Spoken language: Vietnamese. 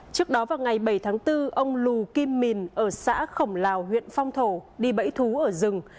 trước đó vào ngày bảy tháng bốn ông lù kim mìn ở xã khổng lào huyện phong thổ đi bẫy thú ở rừng